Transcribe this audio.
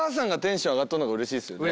うれしいっすね。